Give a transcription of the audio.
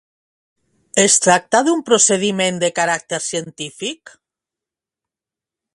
Es tracta d'un procediment de caràcter científic?